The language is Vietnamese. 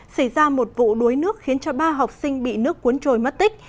xảy ra một vụ đuối nước khiến ba học sinh bị nước cuốn trồi mất tích